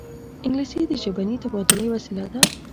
انګلیسي د ژبني تبادلې وسیله ده